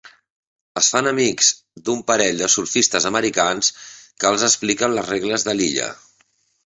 Es fan amics d'un parell de surfistes americans que els expliquen les regles de l'illa.